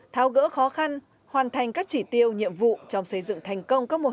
tháo gỡ khó khăn hoàn thành các chỉ tiêu nhiệm vụ trong xây dựng thành công các mô hình